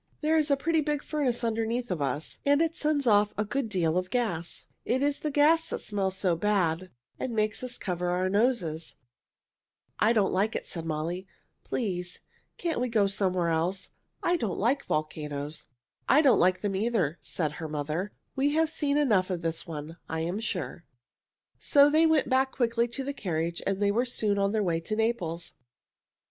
There is a pretty big furnace underneath us, and it sends off a good deal of gas. It is the gas that smells so bad and makes us cover our noses." [Illustration: A cloud of black smoke rose from the boiling sand] "I don't like it," said Molly. "Please can't we go somewhere else? I don't like volcanoes." "I don't like them either," said her mother. "We have seen enough of this one, I am sure." So they went back quickly to the carriage and were soon on their way to Naples.